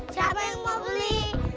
siapa yang mau beli